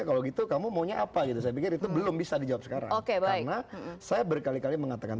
kalau gitu kamu mau nyapa itu saya pikir itu belum bisa dijawab sekarang oke saya berkali kali mengatakan